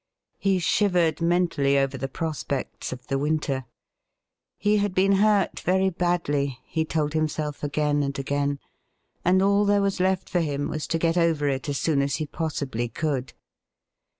He shivered mentally over the prospects of the winter. He had been hurt very badly, he told himself again and again, and all there was left for him was to get over it as soon as he possibly could.